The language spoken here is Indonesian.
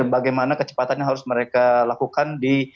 bagaimana kecepatannya harus mereka lakukan